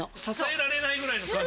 支えられないぐらいの。